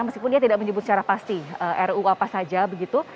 meskipun dia tidak menyebut secara pasti ru apa saja begitu